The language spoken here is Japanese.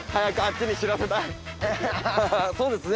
そうですね。